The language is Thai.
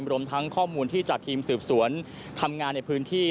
รวมทั้งข้อมูลที่จากทีมสืบสวนทำงานในพื้นที่